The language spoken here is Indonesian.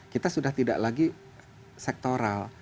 kita sudah tidak lagi sektoral